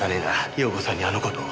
容子さんにあの事を。